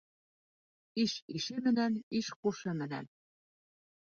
Иш ише менән, иш ҡушы менән.